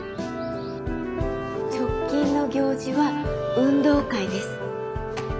直近の行事は運動会です。